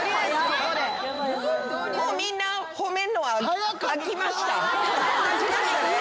もうみんな褒めるのは飽きました？